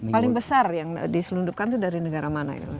paling besar yang diselundupkan itu dari negara mana itu